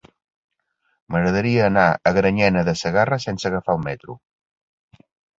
M'agradaria anar a Granyena de Segarra sense agafar el metro.